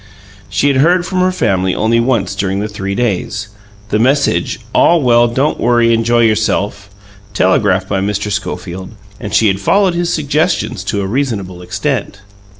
She had heard from her family only once during the three days the message "All well don't worry enjoy yourself" telegraphed by Mr. Schofield, and she had followed his suggestions to a reasonable extent.